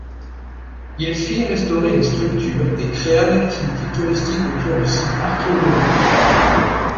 Il fit restaurer les structures et créa l'activité touristique autour du site archéologique.